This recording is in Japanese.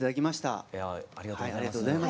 ありがとうございます。